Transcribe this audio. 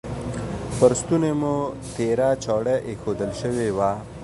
پر ستوني مو تیره چاړه ایښودل شوې وه.